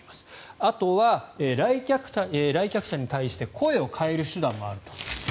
あとは来客者に対して声を変える手段もあると。